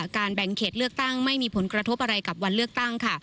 แบ่งเขตเลือกตั้งไม่มีผลกระทบอะไรกับวันเลือกตั้ง